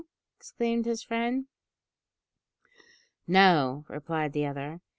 exclaimed his friend. "No," replied the other.